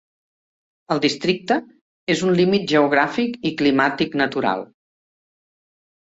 El districte és en un límit geogràfic i climàtic natural.